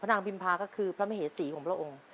นางพิมพาก็คือพระมเหสีของพระองค์